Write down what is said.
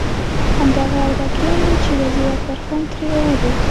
همدغه اربکیان وو چې وزیر اکبر خان ترې راووت.